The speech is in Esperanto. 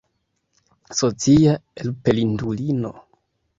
Socia elpelindulino!